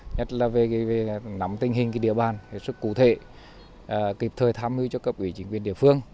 nhất là về nắm tình hình địa bàn sức cụ thể kịp thời tham hư cho các ủy chính quyền địa phương